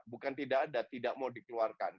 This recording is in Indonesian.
bukan tidak ada tidak mau dikeluarkan